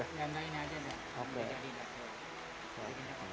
yang lain aja